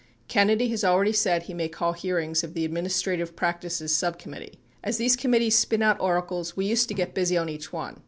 Kennedy has already said he may call hearings of the Administrative Practices sub committee. As these committees spin out oracles we used to get busy on each one.